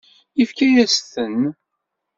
Yefka-asen-ten.